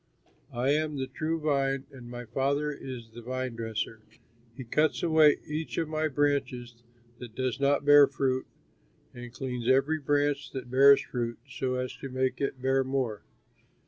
"I am the true vine and my Father is the vine dresser. He cuts away each of my branches that does not bear fruit, and cleans every branch that bears fruit so as to make it bear more.